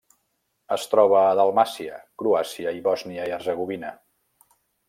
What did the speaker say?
Es troba a Dalmàcia, Croàcia i Bòsnia i Hercegovina.